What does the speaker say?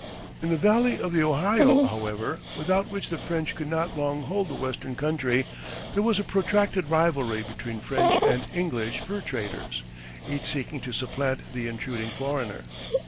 In the Valley of the Ohio, however, without which the French could not long hold the Western country, there was a protracted rivalry between French and English fur traders, each seeking to supplant the intruding foreigner.